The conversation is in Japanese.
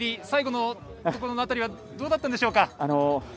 最後のところの辺りはどうだったんでしょうか？